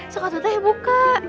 sekotot teh buka